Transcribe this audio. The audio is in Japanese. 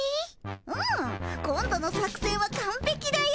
うん！今度の作戦はかんぺきだよ。